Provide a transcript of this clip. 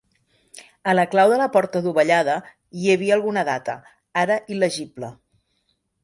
A la clau de la porta adovellada, hi havia alguna data, ara il·legible.